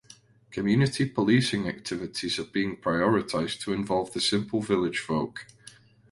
Community policing activities are being prioritised to involve the simple village folk.